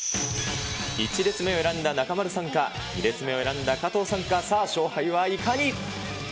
１列目を選んだ中丸さんか、２列目を選んだ加藤さんか、さあ、勝敗はいかに。